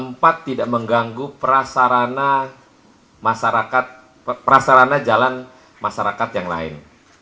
masyarakat prasarana jalan masyarakat yang lain